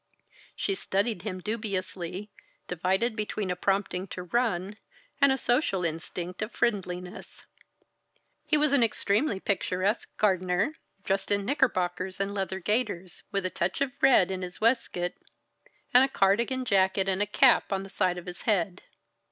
She studied him dubiously, divided between a prompting to run, and a social instinct of friendliness. He was an extremely picturesque gardener, dressed in knickerbockers and leather gaiters, with a touch of red in his waistcoat, and a cardigan jacket and a cap on the side of his head.